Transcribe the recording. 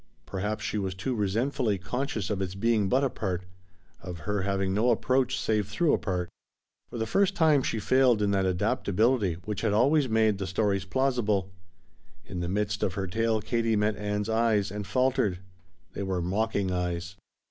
Perhaps she was too resentfully conscious of its being but a part of her having no approach save through a part. For the first time she failed in that adaptability which had always made the stories plausible. In the midst of her tale Katie met Ann's eyes, and faltered. They were mocking eyes.